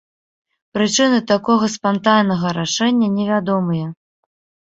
Прычыны такога спантаннага рашэння невядомыя.